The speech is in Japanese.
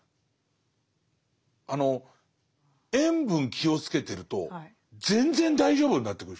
あの塩分気をつけてると全然大丈夫になってくるでしょ。